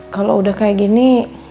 kalau udah kayak gini